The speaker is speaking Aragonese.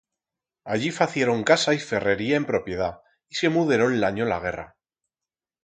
Allí facieron casa y ferrería en propiedat y se muderon l'anyo la guerra.